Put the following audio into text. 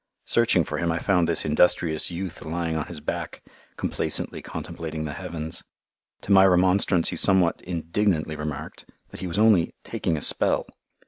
Searching for him I found this industrious youth lying on his back complacently contemplating the heavens. To my remonstrance he somewhat indignantly remarked that he was only "taking a spell."